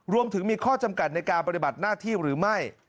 รวมถึงมีข้อจำกัดในการปฏิบัติหน้าที่หรือไม่